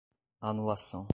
anulação